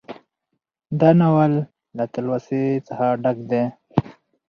دا ناول له تلوسې څخه ډک دى